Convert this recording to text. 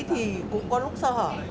thì cũng có lúc sợ